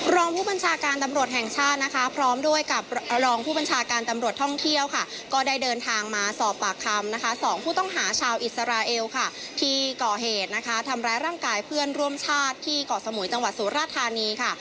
รองผู้บัญชาการตำรวจแห่งชาตินะคะพร้อมด้วยกับรองผู้บัญชาการตำรวจท่องเที่ยวค่ะก็ได้เดินทางมาสอบปากคำนะคะสองผู้ต้องหาชาวอิสราเอลค่ะที่ก่อเหตุนะคะทำร้ายร่างกายเพื่อนร่วมชาติที่เกาะสมุยจังหวัดสุราธานีค่ะ